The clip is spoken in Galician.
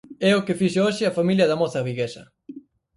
É o que fixo hoxe a familia da moza viguesa.